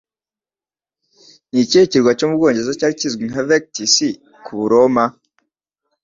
Ni ikihe kirwa cyo mu Bwongereza cyari kizwi nka Vectis ku Baroma?